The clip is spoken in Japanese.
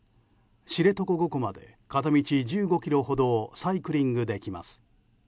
知床五湖まで片道１５ｋｍほどをサイクリングできます。